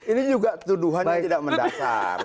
ini juga tuduhannya tidak mendasar